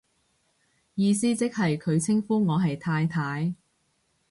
意思即係佢稱呼我係太太